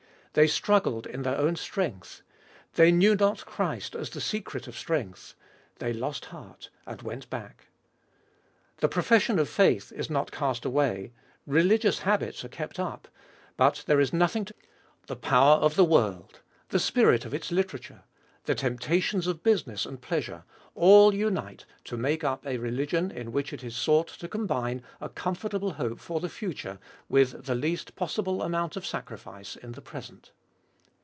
They struggled in their own strength ; they knew not Christ as the secret of strength; they lost heart, and went back. The profession of faith is not cast away; religious habits are kept up ; but there is nothing to show that they have entered or are seeking to enter the Holiest to dwell there. The power of the world, the spirit of its literature, the temptations of business and pleasure, all unite to make up a religion in which it is sought to combine a comfortable hope for the future with the least possible amount of sacrifice in the present.